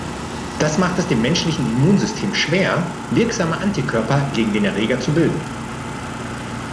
Das macht es dem menschlichen Immunsystem schwer, wirksame Antikörper gegen den Erreger zu bilden.